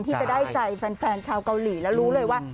ไฟ่ใจแฟนชาวเกาหลีและรู้เลยว่า